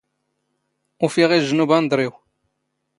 ⵓⴼⵉⵖ ⵉⵊⵊ ⵏ ⵓⴱⴰⵏⴹⵕⵉⵡ.